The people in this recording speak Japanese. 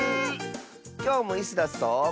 きょうもイスダスと。